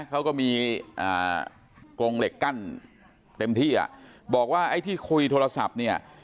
เขาก็มีกรงเหล็กกั้นเต็มที่อ่ะบอกว่าไอ้ที่คุยโทรศัพท์เนี่ย